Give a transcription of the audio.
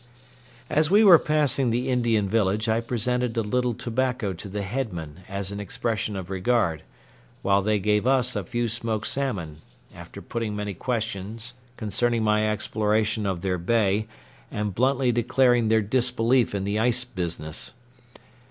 As we were passing the Indian village I presented a little tobacco to the headmen as an expression of regard, while they gave us a few smoked salmon, after putting many questions concerning my exploration of their bay and bluntly declaring their disbelief in the ice business.